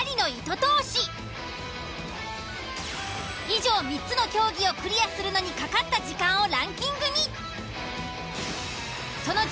以上３つの競技をクリアするのにかかった時間をランキングに。